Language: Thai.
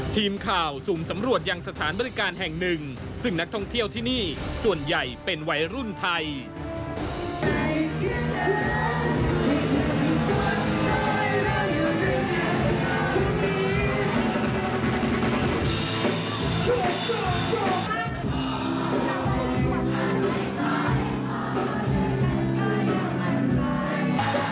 ทีมข่าวสุ่มสำรวจยังสถานบริการแห่งหนึ่งซึ่งนักท่องเที่ยวที่นี่ส่วนใหญ่เป็นวัยรุ่นไทย